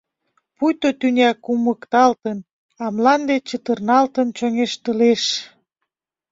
Пуйто тӱня кумыкталтын, а мланде чытырналтын чоҥештылеш.